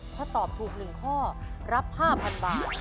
ถ้าตอบถูก๑ข้อรับ๕๐๐๐บาท